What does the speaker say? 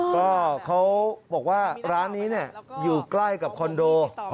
ก็เขาบอกว่าร้านนี้อยู่ใกล้กับคอนโด